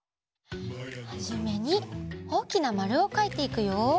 はじめにおおきなまるをかいていくよ。